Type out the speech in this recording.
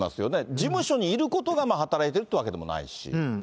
事務所にいることが働いているというわけでもないし。